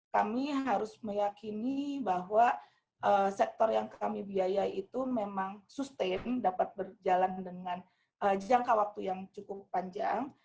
kami harus meyakini bahwa sektor yang kami biayai itu memang sustain dapat berjalan dengan jangka waktu yang cukup panjang